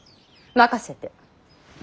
任せて。